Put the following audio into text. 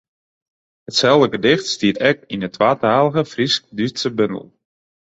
Itselde gedicht stiet ek yn de twatalige Frysk-Dútske bondel.